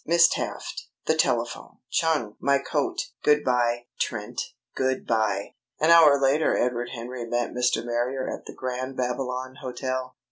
Miss Taft, the telephone! Chung, my coat! Good bye, Trent, good bye!" An hour later Edward Henry met Mr. Marrier at the Grand Babylon Hotel.